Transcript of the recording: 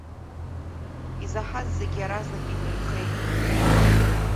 Изаҳаз зегьы иаразнак имеихеи.